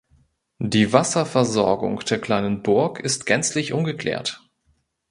Die Wasserversorgung der kleinen Burg ist gänzlich ungeklärt.